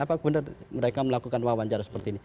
apa benar mereka melakukan wawancara seperti ini